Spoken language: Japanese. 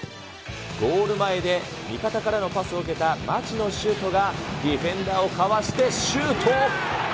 ゴール前で味方からのパスを受けた町野修斗が、ディフェンダーをかわしてシュート。